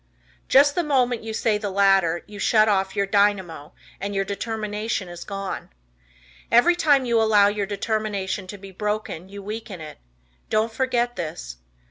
Just the moment you say the latter you shut off your dynamo, and your determination is gone. Every time you allow your determination to be broken you weaken it. Don't forget this.